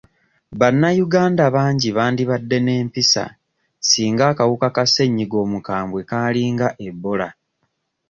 Bannayuganda bangi bandibadde n'empisa singa akawuka ka ssenyiga omukambwe kaali nga Ebola.